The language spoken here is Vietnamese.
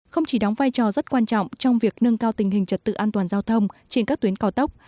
không chỉ đóng vai trò rất quan trọng trong việc nâng cao tình hình trật tự an toàn giao thông trên các tuyến cao tốc